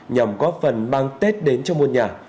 nhằm góp phần mang tết đến cho môn nhà